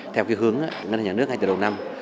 theo cái hướng ngân nước ngay từ đầu năm